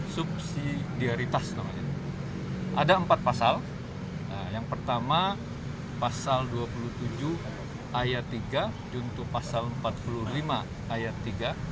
subsidiritas namanya ada empat pasal yang pertama pasal dua puluh tujuh ayat tiga juntuh pasal empat puluh lima ayat tiga